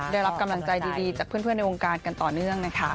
ได้รับกำลังใจดีจากเพื่อนในวงการกันต่อเนื่องนะคะ